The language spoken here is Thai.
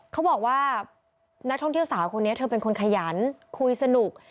เขาบอกว่านักท่องเที่ยวสาวคนนี้เธอเป็นคนขยันคุยสนุก